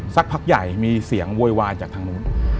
สักพักใหญ่มีเสียงโวยวายจากทางนู้น